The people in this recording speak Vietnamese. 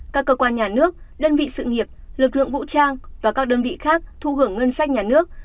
các cơ quan nhà nước đơn vị sự nghiệp lực lượng vũ trang và các đơn vị khác thu hưởng ngân sách nhà nước